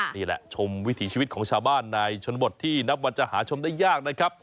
นี่แหละชมวิถีชีวิตของชาวบ้านในชนบทที่นับวันจะหาชมได้ยากนะครับ